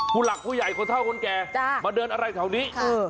ผู้หลักผู้ใหญ่คนเธอคนแก่มาเดินอะไรที่แถวนี้คุณหมอจ๊ะ